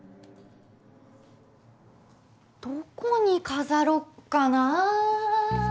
どこに飾ろっかな。